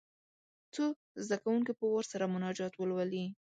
څو زده کوونکي په وار سره مناجات ولولي.